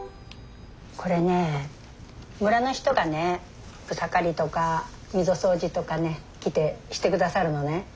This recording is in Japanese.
これね村の人がね草刈りとか溝掃除とかね来てして下さるのね。